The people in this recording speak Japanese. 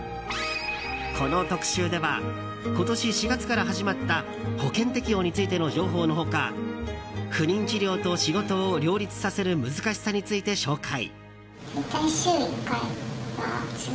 この特集では今年４月から始まった保険適用についての情報の他不妊治療と仕事を両立させる難しさについて紹介。